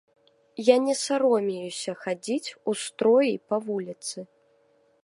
Я не саромеюся хадзіць у строі па вуліцы.